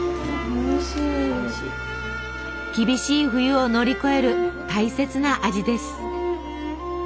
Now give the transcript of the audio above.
厳しい冬を乗り越える大切な味です。